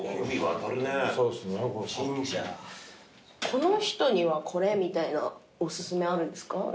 この人にはこれみたいなお薦めあるんですか？